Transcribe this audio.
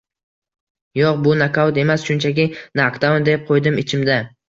Yo‘q, bu nokaut emas, shunchaki nokdaun, deb qo‘ydim ichimda